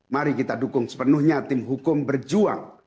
mari kita dukung sepenuhnya tim hukum berjuang